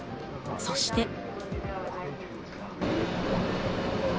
そして。